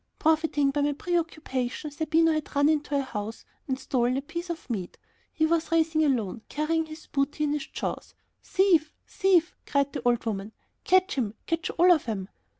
Profiting by my preoccupation, Zerbino had run into a house and stolen a piece of meat. He was racing alone, carrying his booty in his jaws. "Thief! thief!" cried the old woman; "catch him! Catch all of 'em!"